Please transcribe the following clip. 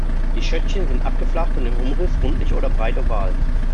Die Schötchen sind abgeflacht und im Umriss rundlich oder breit oval.